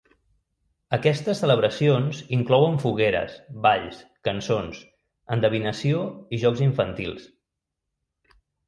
Aquestes celebracions inclouen fogueres, balls, cançons, endevinació i jocs infantils.